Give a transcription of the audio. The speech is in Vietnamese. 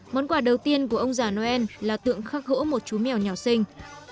món quà đầu tiên của ông già noel là tượng khắc hỗ một chú mèo nhỏ xinh